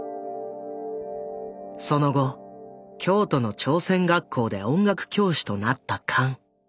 その後京都の朝鮮学校で音楽教師となったカン。